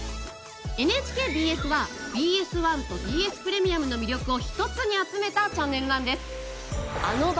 ＮＨＫＢＳはＢＳ１とＢＳプレミアムの魅力を一つに集めたチャンネルなんです。